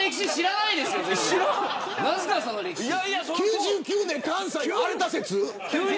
９９年関西荒れた説。